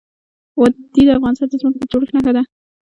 وادي د افغانستان د ځمکې د جوړښت نښه ده.